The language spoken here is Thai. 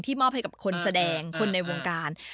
มอบให้กับคนแสดงคนในวงการ